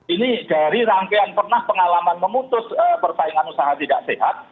ini dari rangkaian pernah pengalaman memutus persaingan usaha tidak sehat